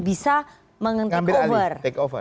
bisa mengambil alih take over